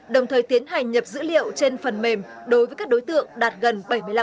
đồng thời tiến hành nhập dữ liệu trên phần mềm đối với các đối tượng đạt gần bảy mươi năm